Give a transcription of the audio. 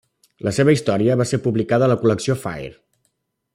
La seva història va ser publicada a la col·lecció 'Fire'.